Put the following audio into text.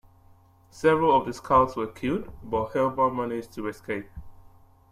Several of the scouts were killed, but Helmer managed to escape.